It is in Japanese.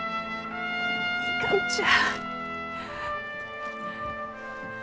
いかんちゃ。